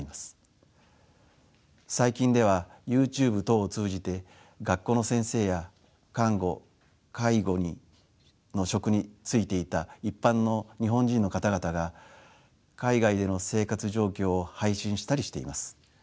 最近ではＹｏｕＴｕｂｅ等を通じて学校の先生や看護介護の職に就いていた一般の日本人の方々が海外での生活状況を配信したりしています。